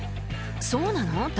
そうなの？